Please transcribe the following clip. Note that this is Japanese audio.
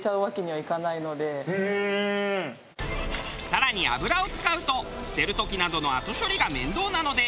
更に油を使うと捨てる時などの後処理が面倒なので。